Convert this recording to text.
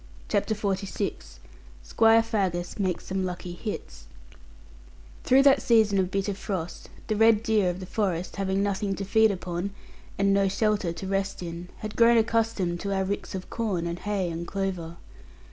CHAPTER XLVI SQUIRE FAGGUS MAKES SOME LUCKY HITS Through that season of bitter frost the red deer of the forest, having nothing to feed upon, and no shelter to rest in, had grown accustomed to our ricks of corn, and hay, and clover.